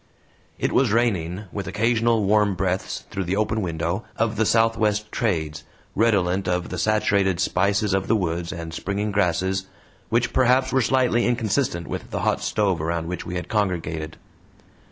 It was raining, with occasional warm breaths, through the open window, of the southwest trades, redolent of the saturated spices of the woods and springing grasses, which perhaps were slightly inconsistent with the hot stove around which we had congregated.